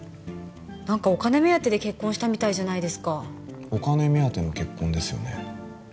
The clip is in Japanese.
何かお金目当てで結婚したみたいじゃないですかお金目当ての結婚ですよね